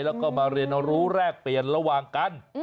แล้วก็มาเรียนรู้แรกเปลี่ยนระหว่างกัน